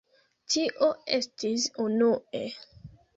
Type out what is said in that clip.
Tio estis unue.